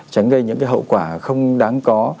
tránh gây những cái hậu quả không đáng có